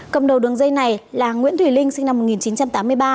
cầm đầu đường dây này là nguyễn thủy linh sinh năm một nghìn chín trăm tám mươi ba